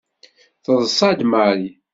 Teḍṣa-d Mary.